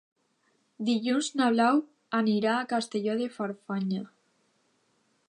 Dilluns na Blau anirà a Castelló de Farfanya.